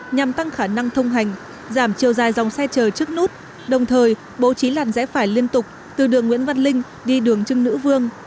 nhằm tăng khả năng thông hành giảm chiều dài dòng xe chờ trước nút đồng thời bố trí làn rẽ phải liên tục từ đường nguyễn văn linh đi đường trưng nữ vương